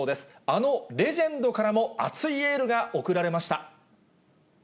あのレジェンドからも、熱いエールが送られました。